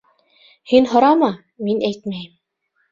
Һин һорама, мин әйтмәйем.